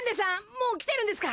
もう来てるんですか！？